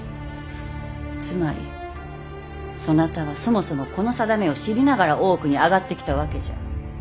つまりそなたはそもそもこの定めを知りながら大奥に上がってきたわけじゃ。